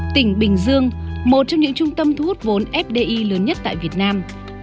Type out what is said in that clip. tỉnh bình dương một trong những trung tâm thu hút vốn fdi lớn nhất tại việt nam